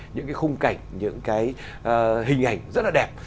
những cái khung cảnh những cái hình ảnh rất là đẹp